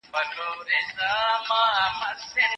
موږ غواړو چې ټول خلک هوسا ژوند ولري.